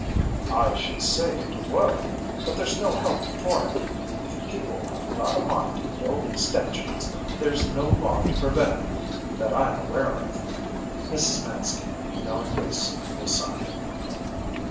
“I should say it would. But there’s no help for it; if people have got a mind to build extensions there’s no law to prevent ’em, that I’m aware of.‚ÄĚ Mrs. Manstey, knowing this, was silent.